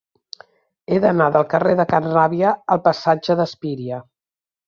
He d'anar del carrer de Can Ràbia al passatge d'Espíria.